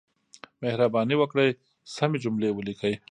مهرباني وکړئ، سمې جملې وليکئ!